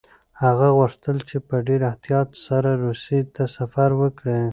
هغه غوښتل چې په ډېر احتیاط سره روسيې ته سفر وکړي.